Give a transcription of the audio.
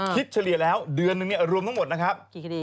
คิดเฉลี่ยแล้วเดือนนึงเนี่ยอารมณ์ทั้งหมดนะครับ